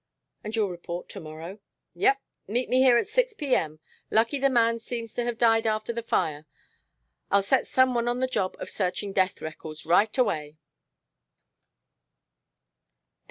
"And you'll report to morrow?" "Yep. Meet me here at six P.M. Lucky the man seems to have died after the fire. I'll set some one on the job of searching death records right away."